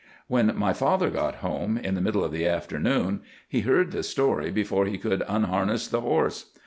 "When my father got home, in the middle of the afternoon, he heard the story before he could unharness the horse.